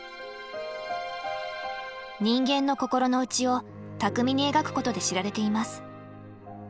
人間の心の内を巧みに描くことで知られています。